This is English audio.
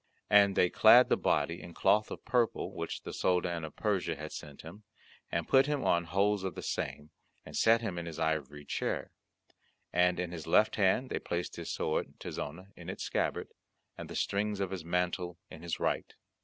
And they clad the body in cloth of purple, which the Soldan of Persia had sent him, and put him on hose of the same, and set him in his ivory chair; and in his left hand they placed his sword Tizona in its scabbard, and the strings of his mantle in his right.